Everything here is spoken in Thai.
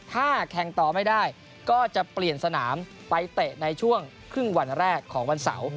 ถ้าแข่งต่อไม่ได้ก็จะเปลี่ยนสนามไปเตะในช่วงครึ่งวันแรกของวันเสาร์